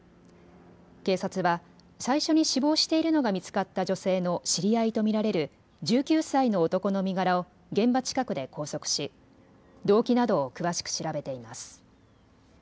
警察は最初に死亡しているのが見つかった女性の知り合いと見られる１９歳の男の身柄を現場近くで拘束し動機などを詳しく調べています。